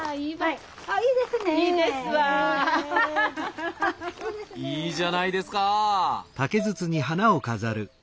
いいじゃないですか！